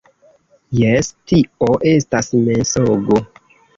- Jes, - Tio estas mensogo.